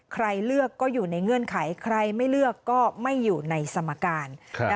ใครเลือกก็อยู่ในเงื่อนไขใครไม่เลือกก็ไม่อยู่ในสมการ